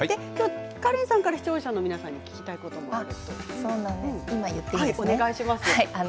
カレンさんから視聴者の皆さんに聞きたいことがあると。